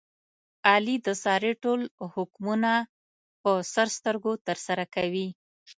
علي د سارې ټول حکمونه په سر سترګو ترسره کوي.